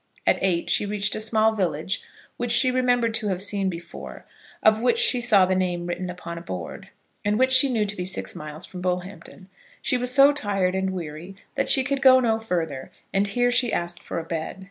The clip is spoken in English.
At eight she reached a small village which she remembered to have seen before, of which she saw the name written up on a board, and which she knew to be six miles from Bullhampton. She was so tired and weary that she could go no further, and here she asked for a bed.